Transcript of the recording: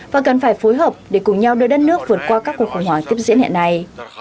và cần phải phối hợp để cùng nhau đưa đất nước vượt qua các cuộc khủng hoảng tiếp diễn hiện nay